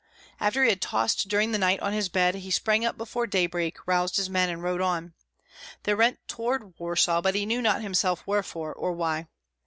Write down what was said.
After he had tossed during the night on his bed, he sprang up before daybreak, roused his men, and rode on. They went toward Warsaw, but he knew not himself wherefore or why.